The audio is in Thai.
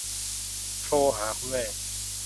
โทรหาคุณแม่